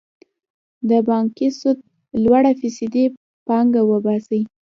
د بانکي سود لوړه فیصدي پانګه وباسي.